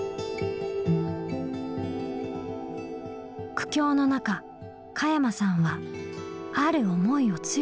苦境の中加山さんはある思いを強くしました。